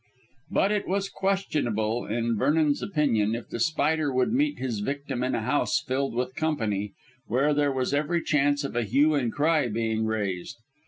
But it was questionable, in Vernon's opinion, if The Spider would meet his victim in a house filled with company, where there was every chance of a hue and cry being raised.